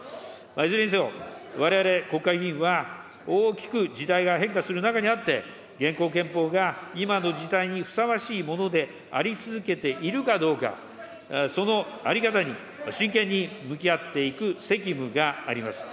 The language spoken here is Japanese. いずれにせよ、われわれ国会議員は大きく時代が変化する中にあって、現行憲法が今の時代にふさわしいものであり続けているかどうか、その在り方に真剣に向き合っていく責務があります。